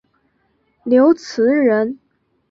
刘词人。